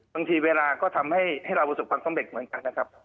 บางทีเวลาก็ทำให้เราประสบความสำเร็จเหมือนกันนะครับ